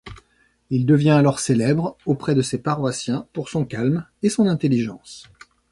Il devient alors célèbre auprès de ses paroissiens pour son calme et son intelligence.